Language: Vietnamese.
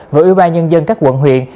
với ủy ban nhân dân các quận huyện